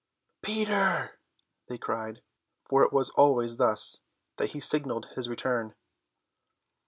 "Peter!" they cried, for it was always thus that he signalled his return.